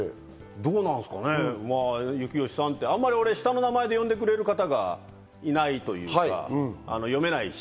どうなんすかね、征悦さんって、あんまり俺、下の名前で呼んでくれる方がいないっていうか、読めないし。